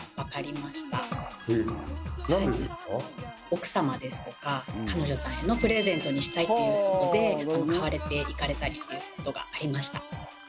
奥様ですとか彼女さんへのプレゼントにしたいというので買われていかれたりということがありました